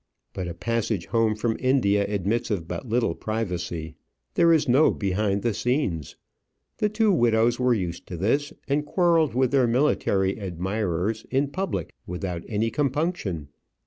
But a passage home from India admits of but little privacy; there is no behind the scenes. The two widows were used to this, and quarrelled with their military admirers in public without any compunction.